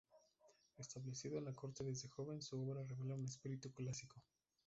Establecido en la corte desde joven, su obra revela un espíritu clásico.